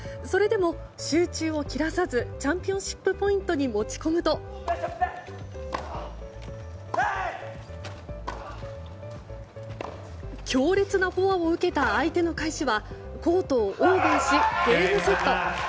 それでも集中を切らさずチャンピオンシップポイントに持ち込むと強烈なフォアを受けた相手の返しはコートをオーバーしゲームセット。